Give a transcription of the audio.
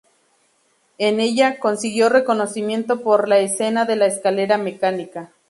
En ella, consiguió reconocimiento por la escena de la escalera mecánica.